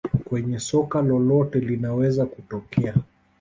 Kwenye soka lolote linaweza kutokea